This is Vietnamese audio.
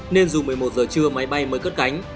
nên dù một mươi một giờ trưa máy bay mới cất cánh